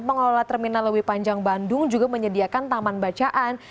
mengelola terminal lowy panjang bandung juga menyediakan taman bacaan